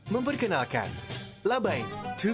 memperkenalkan labbaik dua